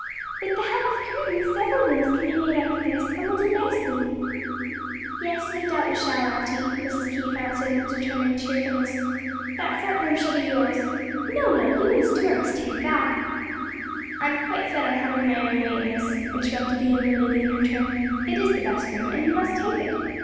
With the help of curtains several rooms can be made out of this, and we'll do nicely." "Yes, no doubt we shall, auntie," Mrs. Keith answered with determined cheerfulness. "That front room shall be yours " "No, no! you and Stuart must take that " "I'm quite set on having my own way in this," interrupted the younger lady in her turn. "It is the best room, and you must take it.